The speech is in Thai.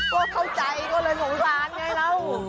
ก็เข้าใจก็เลยสงสารไงเรา